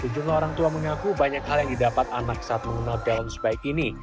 sejumlah orang tua mengaku banyak hal yang didapat anak saat mengenal balance bike ini